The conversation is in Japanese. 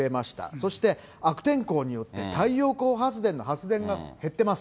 そして悪天候によって、太陽光発電の発電が減っています。